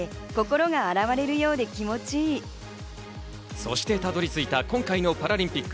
そしてたどりついた今回のパラリンピック。